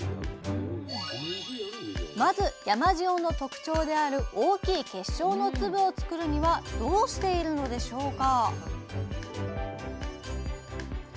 まず山塩の特徴である大きい結晶の粒をつくるにはどうしているのでしょうか？